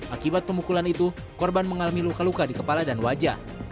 akibat pemukulan itu korban mengalami luka luka di kepala dan wajah